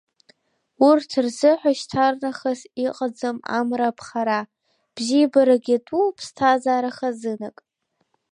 Урҭ рзыҳәа шьҭарнахыс иҟаӡам амра аԥхара, бзиабарак иатәу ԥсҭазаара хазынак.